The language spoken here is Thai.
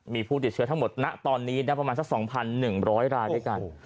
มีผู้ติดเชื้อทั้งหมดณตอนนี้นะประมาณสัก๒๑๐๐รายด้วยกัน